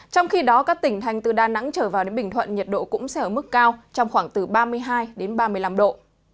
trong khi đó các tỉnh thành từ đà nẵng trở vào đến bình thuận nhiệt độ cũng sẽ ở mức cao trong khoảng từ ba mươi hai ba mươi năm độ